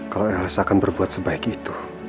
kalau elsa akan berbuat sebaik itu